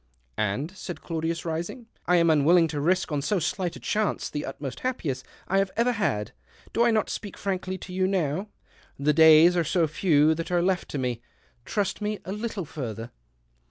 " And," said Claudius, rising, " I am un willing to risk on so slight a chance the utmost happiness I have ever had. Do I not speak frankly to you now? The days N 178 THE OCTAVE OF CLAUDIUS. are so few that are left me. Trust me a little further."